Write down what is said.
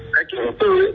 cái chủ tư ấy